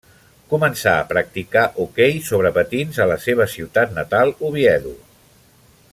Començà a practicar hoquei sobre patins a la seva ciutat natal, Oviedo.